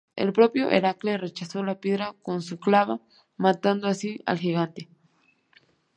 El propio Heracles rechazó la piedra con su clava, matando así al gigante.